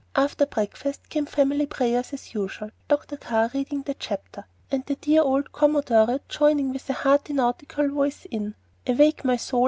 After breakfast came family prayers as usual, Dr. Carr reading the chapter, and the dear old commodore joining with a hearty nautical voice in, "Awake my soul!